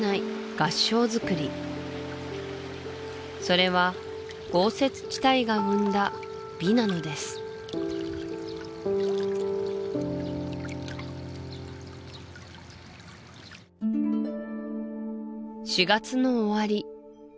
合掌造りそれは豪雪地帯が生んだ美なのです４月の終わり